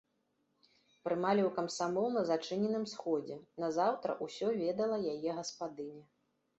Прымалі ў камсамол на зачыненым сходзе, назаўтра ўсё ведала яе гаспадыня.